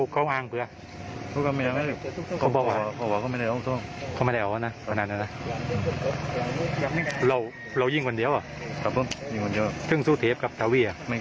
คาบิ้มยิงวันเดียว